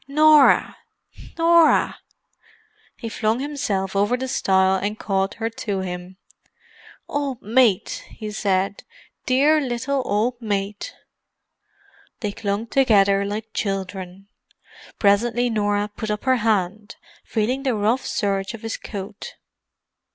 "Norah! Norah!" He flung himself over the stile and caught her to him. "Old mate!" he said. "Dear little old mate!" They clung together like children. Presently Norah put up her hand, feeling the rough serge of his coat.